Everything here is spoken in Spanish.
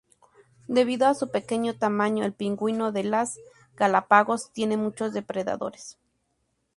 Debido a su pequeño tamaño, el pingüino de las Galápagos tiene muchos depredadores.